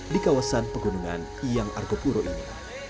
di kawasan pegunungan yang argopuro ini